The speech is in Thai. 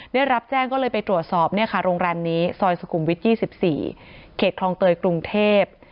ได้รับแจ้งก็เลยไปตรวจสอบเนี่ยค่ะโรงแรมนี้ซอยสุขุมวิท๒๔เขตคลองเตยกรุงเทพ